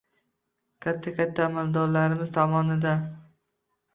katta-katta amaldorlarimiz tomonidan